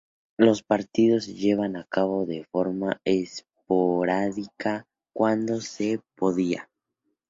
Los partidos se llevaban a cabo de forma esporádica, cuando se podía.